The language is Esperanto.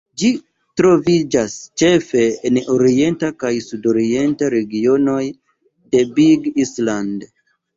Ĝi troviĝas ĉefe en orienta kaj sudorienta regionoj de Big Island.